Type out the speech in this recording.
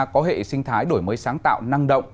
có hệ sinh thái đổi mới sáng tạo năng động